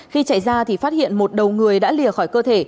khi chạy ra thì phát hiện một đầu người đã lìa khỏi cơ thể